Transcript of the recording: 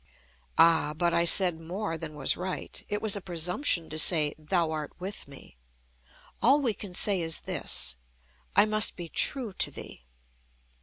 Ah! But I said more than was right. It was a presumption to say: "Thou art with me." All we can say is this: "I must be true to Thee."